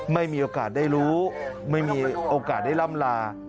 ไม่มีโอกาสได้รู้ไม่มีโอกาสได้ล่ำลา